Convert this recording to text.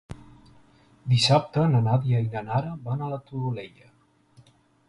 Dissabte na Nàdia i na Nara van a la Todolella.